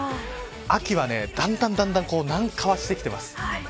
秋はだんだん南下はしています。